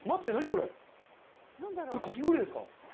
これ、かき氷ですか？